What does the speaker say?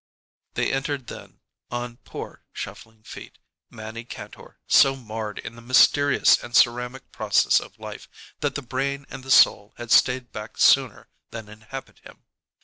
There entered then, on poor, shuffling feet, Mannie Kantor, so marred in the mysterious and ceramic process of life that the brain and the soul had stayed back sooner than inhabit him.